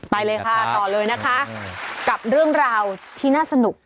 ไปเลยค่ะต่อเลยนะคะกับเรื่องราวที่น่าสนุก